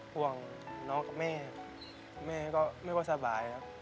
ห่วงน้องกับแม่แม่ก็ไม่ว่าสบายครับ